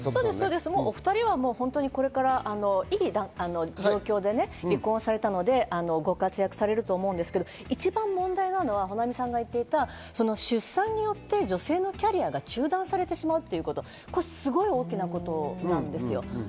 お２人はこれからいい状況で離婚されたので、ご活躍すると思うんですけど、一番問題なのは保奈美さんが言っていた出産によって女性のキャリアが中断されてしまうということ、これは、すごい大きなことなんですよ。